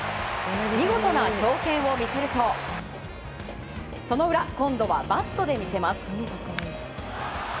見事な強肩を見せるとその裏、今度はバットで魅せます。